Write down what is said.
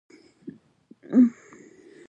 تودوخه د افغانستان د اقتصادي منابعو ارزښت زیاتوي.